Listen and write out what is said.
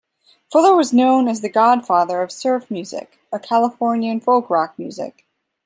Fuller was known as the "Godfather" of surf music, a Californian folk rock music.